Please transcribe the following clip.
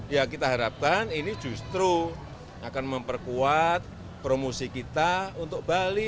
ya kita harapkan ini justru akan memperkuat promosi kita untuk bali